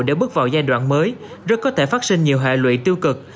để bước vào giai đoạn mới rất có thể phát sinh nhiều hệ lụy tiêu cực